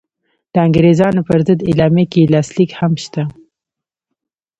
د انګرېزانو پر ضد اعلامیه کې یې لاسلیک هم شته.